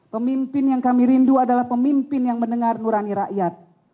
pemimpin yang kami rindu adalah pemimpin yang mendengar nurani rakyat